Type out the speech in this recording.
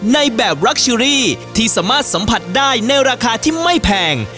ในแบบรักเชอรี่ที่สามารถสัมผัสได้ในราคาที่ไม่แพง